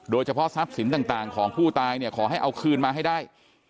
โดยเฉพาะทรัพย์สินต่างของผู้ตายขอให้เอาคืนมาให้ได้